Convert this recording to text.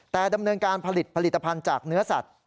แต่ดำเนินการผลิตผลิตภัณฑ์จากเนื้อสัตว์